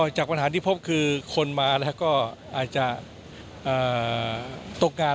จากปัญหาที่พบคือคนมาเราก็ตกการณ์